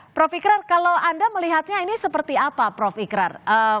prof ikran kalau anda melihatnya ini seperti apa prof ikrar